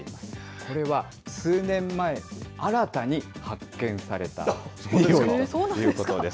これは数年前、新たに発見されたにおいということです。